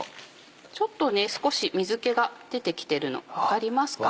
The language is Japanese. ちょっと少し水気が出てきてるの分かりますかね？